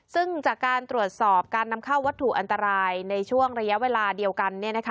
ซึ่งจากการตรวจสอบการนำเข้าวัตถุอันตรายในช่วงระยะเวลาเดียวกัน